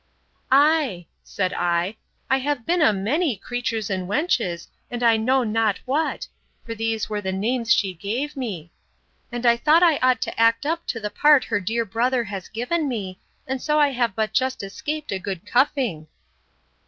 Ay, said I, I have been a many creatures and wenches, and I know not what; for these were the names she gave me. And I thought I ought to act up to the part her dear brother has given me; and so I have but just escaped a good cuffing.